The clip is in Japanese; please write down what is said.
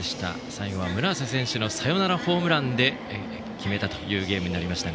最後は村瀬選手のサヨナラホームランで決めたというゲームになりました。